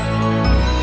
kau akan melakukannya